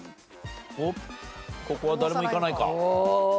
おっここは誰もいかないか。